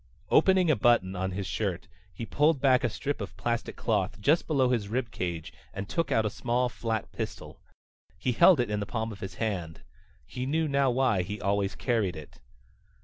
Opening a button on his shirt, he pulled back a strip of plastic cloth just below his rib cage and took out a small flat pistol. He held it in the palm of his hand. He knew now why he always carried it.